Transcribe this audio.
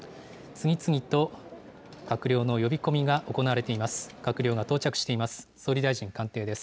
次々と閣僚の呼び込みが行われています。